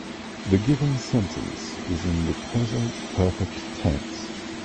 The given sentence is in the present perfect tense.